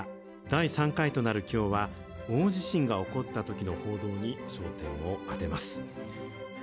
第３回となるきょうは大地震が起こったときの報道に焦点を当てます。